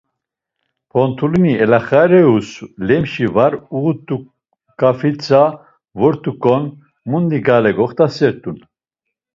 Pont̆ulini elaxaruis lemşi var uğut̆t̆u, k̆afritza vart̆ukon mundi gale goxtastun.